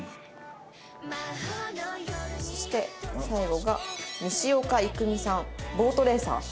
そして最後が西岡育未さんボートレーサー。